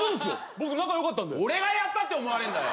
僕仲良かったんで俺がやったって思われんだよ